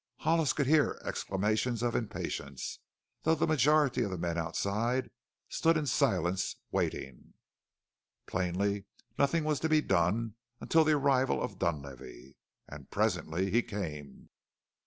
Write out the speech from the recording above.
Hollis could hear exclamations of impatience, though the majority of the men outside stood in silence, waiting. Plainly, nothing was to be done until the arrival of Dunlavey. And presently he came.